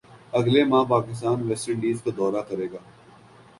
اگلے ماہ Pakistan West Indies کا دورہ کرے گا